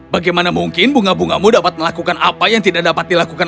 bagaimana mungkin bunga bungamu dapat melakukan apa yang tidak dapat dilakukan